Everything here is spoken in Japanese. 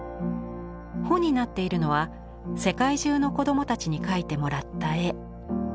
帆になっているのは世界中の子どもたちに描いてもらった絵。